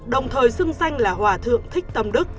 đồng thời xưng danh là hòa thượng thích tâm đức